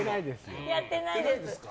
やってないですよ。